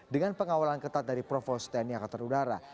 dengan pengawalan ketat dari provos tni angkatan udara